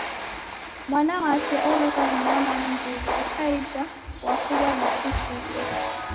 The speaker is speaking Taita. Mwana wape oleghwa ni nyama ya nguw'e, ukaija wabukwa ni kifufwa.